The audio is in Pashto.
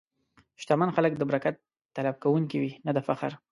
شتمن خلک د برکت طلب کوونکي وي، نه د فخر.